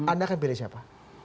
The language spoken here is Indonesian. anda akan pilih siapa